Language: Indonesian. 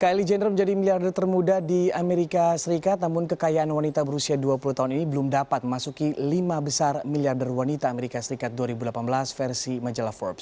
kylie general menjadi miliarder termuda di amerika serikat namun kekayaan wanita berusia dua puluh tahun ini belum dapat memasuki lima besar miliarder wanita amerika serikat dua ribu delapan belas versi majalah forbes